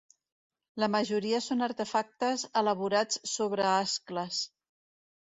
La majoria són artefactes elaborats sobre ascles.